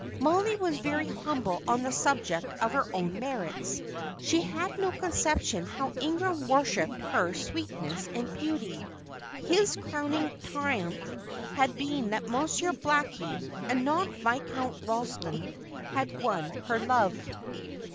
Mollie was very humble on the subject of her own merits; she had no conception how Ingram worshipped her sweetness and beauty. His crowning triumph had been that Monsieur Blackie, and not Viscount Ralston, had won her love.